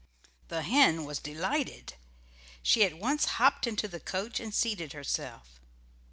The hen was delighted. She at once hopped into the coach, and seated herself.